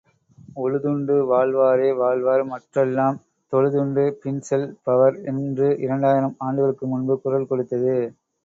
உழுதுண்டு வாழ்வாரே வாழ்வார் மற்றெல்லாம் தொழுதுண்டு பின்செல் பவர் என்று இரண்டாயிரம் ஆண்டுகளுக்கு முன்பு குரல் கொடுத்தது.